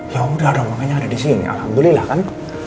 ya udah rumahnya ada di sini alhamdulillah kan